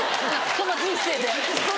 この人生で。